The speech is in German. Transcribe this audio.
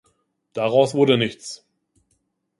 Daraus wurde nichts.